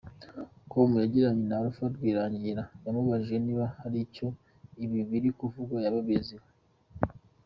com, yagiranye na Alpha Rwirangira, tumubajije niba hari icyo ibi biri kuvugwa yaba abiziho.